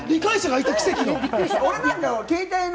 理解者がいた、奇跡の。